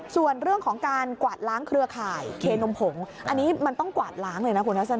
ส่วนเรื่องของการกวาดล้างเครือข่ายเคนมผงอันนี้มันต้องกวาดล้างเลยนะคุณทัศน